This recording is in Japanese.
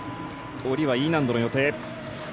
下りはＥ難度の予定。